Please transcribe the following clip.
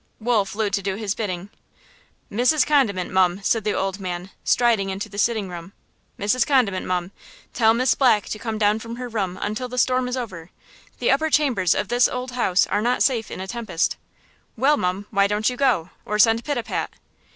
Wool flew to do his bidding. "Mrs. Condiment, mum," said the old man, striding into the sitting room, "Mrs. Condiment, mum, tell Miss Black to come down from her room until the storm is over; the upper chambers of this old house are not safe in a tempest. Well, mum, why don't you go, or send Pitapat?"